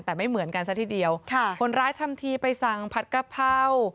แต่ไม่เหมือนกันซะทีเดียวค่ะคนร้ายทำทีไปสั่งผัดกะเพรา